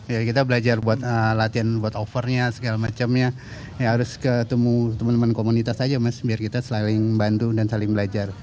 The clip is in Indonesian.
ya kita belajar buat latihan buat hovernya segala macemnya ya harus ketemu temen temen komunitas aja mas biar kita selalu bantu dan saling belajar